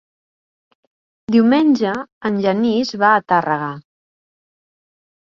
Diumenge en Genís va a Tàrrega.